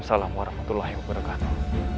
assalamualaikum warahmatullahi wabarakatuh